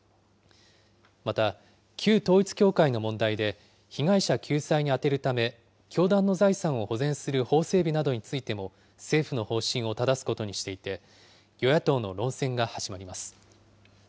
また、旧統一教会の問題で被害者救済に充てるため、教団の財産を保全する法整備などについても、政府の方針をただすことにしていて、与野党の論戦が始まります。